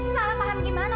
salah paham gimana pa